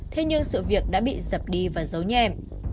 thế nhưng sự việc đã bị dập đi và giấu nhèm